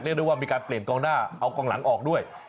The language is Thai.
ได้ว่ามีการเปลี่ยนกองหน้าเอากองหลังออกด้วย